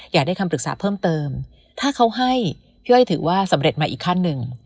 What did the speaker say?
อยากได้คำปรึกษาเพิ่มเติมถ้าเขาให้พี่อ้อยถือว่าสำเร็จมาอีกขั้นหนึ่ง